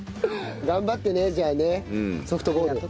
頑張ってねじゃあねソフトボール。